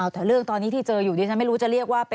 แต่เรื่องตอนนี้ที่เจออยู่ดิฉันไม่รู้จะเรียกว่า